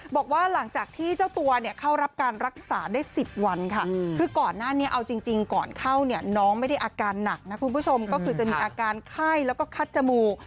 บอกว่าหลังจากที่เจ้าตัวเนี่ยเข้ารับการรักษาได้๑๐วันค่ะคือก่อนหน้านี้เอาจริงก่อนเข้าเนี่ยน้องไม่ได้อาการหนักนะคุณผู้ชมก็คือจะมีอาการไข้แล้วก็คัดจมูก